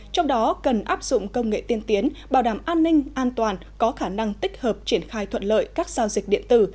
trong đó cần áp dụng công nghệ tiên tiến bảo đảm an ninh an toàn có khả năng tích hợp triển khai thuận lợi các giao dịch điện tử